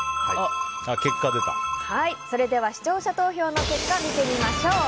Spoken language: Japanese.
それでは、視聴者投票の結果を見てみましょう。